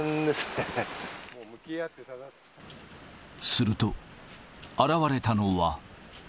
すると、現れたのは。